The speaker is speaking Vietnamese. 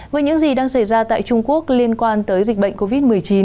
với những gì đang xảy ra tại trung quốc liên quan tới dịch bệnh covid một mươi chín